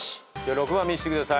６番見せてください。